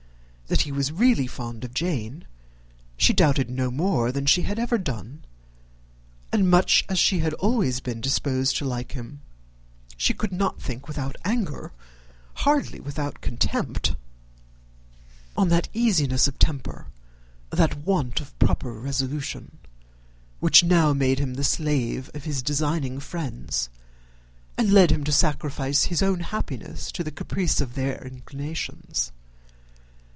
That he was really fond of Jane, she doubted no more than she had ever done; and much as she had always been disposed to like him, she could not think without anger, hardly without contempt, on that easiness of temper, that want of proper resolution, which now made him the slave of his designing friends, and led him to sacrifice his own happiness to the caprice of their inclinations.